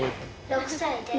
６歳です。